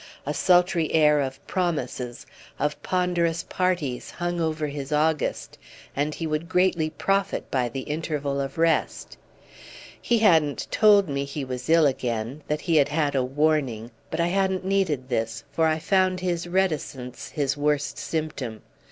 A sultry air of promises, of ponderous parties, hung over his August, and he would greatly profit by the interval of rest. He hadn't told me he was ill again that he had had a warning; but I hadn't needed this, for I found his reticence his worst symptom.